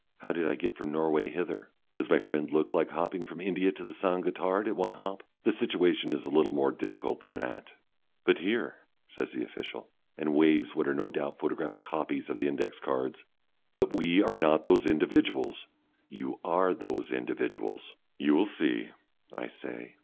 How did I get from Norway hither? Does my friend look like hopping from India to the Saint Gotthard at one hop? The situation is a little more difficult than that " "But here!" says the official, and waves what are no doubt photographic copies of the index cards. "But we are not those individuals!" "You are those individuals." "You will see," I say.